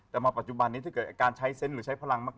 แต่มาปัจจุบันนี้ถ้าเกิดการใช้เซนต์หรือใช้พลังมาก